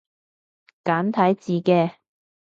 簡體字嘅